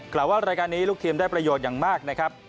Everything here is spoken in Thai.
กล่าวว่ารายการนี้ลูกทีมได้ประโยชน์อย่างมากนะครับ